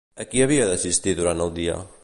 A qui havia d'assistir durant el dia?